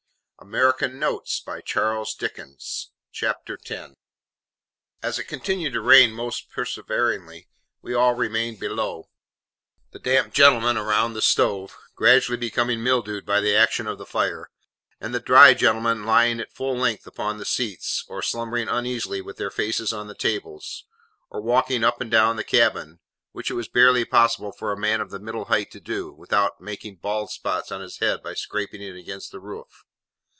JOURNEY TO PITTSBURG ACROSS THE ALLEGHANY MOUNTAINS. PITTSBURG AS it continued to rain most perseveringly, we all remained below: the damp gentlemen round the stove, gradually becoming mildewed by the action of the fire; and the dry gentlemen lying at full length upon the seats, or slumbering uneasily with their faces on the tables, or walking up and down the cabin, which it was barely possible for a man of the middle height to do, without making bald places on his head by scraping it against the roof.